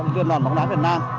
liên đoàn bóng đá việt nam